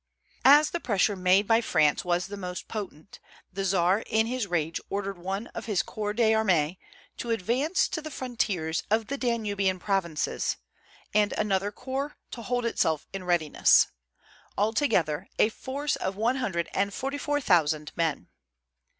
As the pressure made by France was the most potent, the Czar in his rage ordered one of his corps d'armée to advance to the frontiers of the Danubian provinces, and another corps to hold itself in readiness, altogether a force of one hundred and forty four thousand men.